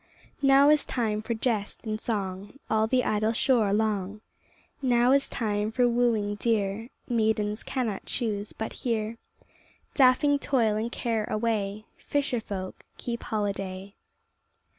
Now is time for jest and song All the idle shore along, Now is time for wooing dear, Maidens cannot choose but hear ; Daffing toil and care away Fisher folk keep holiday.